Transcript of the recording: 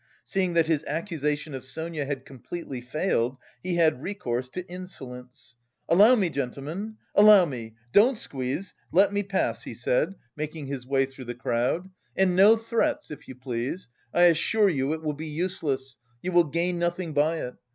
Seeing that his accusation of Sonia had completely failed, he had recourse to insolence: "Allow me, gentlemen, allow me! Don't squeeze, let me pass!" he said, making his way through the crowd. "And no threats, if you please! I assure you it will be useless, you will gain nothing by it.